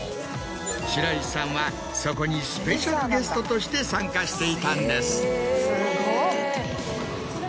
白石さんはそこにスペシャルゲストとして参加していたんです。